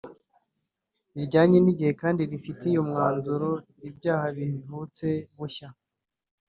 rijyanye n’igihe kandi rifitiye umwanzuro ibyaha bivutse bushya